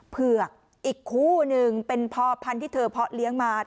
เผือกอีกคู่หนึ่งเป็นพ่อพันธุ์ที่เธอเพาะเลี้ยงมา